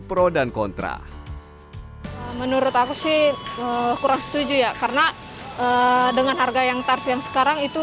pro dan kontra menurut aku sih kurang setuju ya karena dengan harga yang tarif yang sekarang itu